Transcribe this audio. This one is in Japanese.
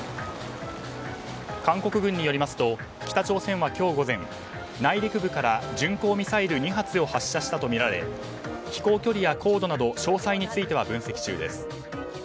韓国軍によりますと北朝鮮は今日午前内陸部から巡航ミサイル２発を発射したとみられ飛行距離や高度など詳細については分析中です。